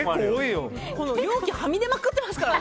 容器、はみ出まくってますよ。